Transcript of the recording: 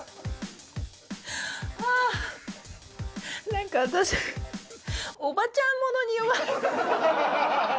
なんか私、おばちゃんものに弱い。